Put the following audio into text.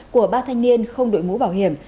của ba thanh niên không đội mũ bảo hiểm